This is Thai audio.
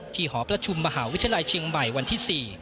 หอประชุมมหาวิทยาลัยเชียงใหม่วันที่๔